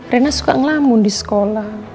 rena suka ngelamun di sekolah